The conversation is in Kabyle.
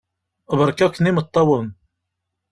Beṛka-ken imeṭṭawen!